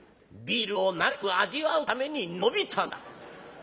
ビールを長く味わうために伸びたんだ」。